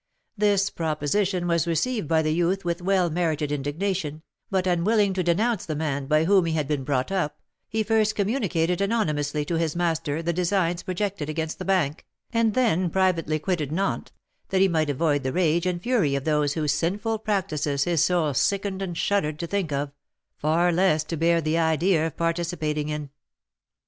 This proposition was received by the youth with well merited indignation, but, unwilling to denounce the man by whom he had been brought up, he first communicated anonymously to his master the designs projected against the bank, and then privately quitted Nantes, that he might avoid the rage and fury of those whose sinful practices his soul sickened and shuddered to think of, far less to bear the idea of participating in.